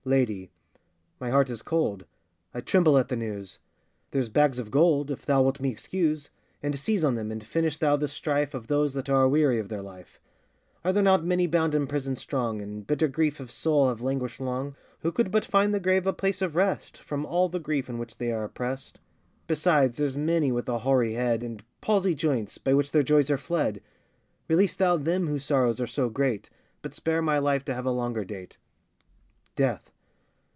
LADY. My heart is cold; I tremble at the news; There's bags of gold, if thou wilt me excuse, And seize on them, and finish thou the strife Of those that are aweary of their life. Are there not many bound in prison strong, In bitter grief of soul have languished long, Who could but find the grave a place of rest, From all the grief in which they are oppressed? Besides, there's many with a hoary head, And palsy joints, by which their joys are fled; Release thou them whose sorrows are so great, But spare my life to have a longer date. DEATH.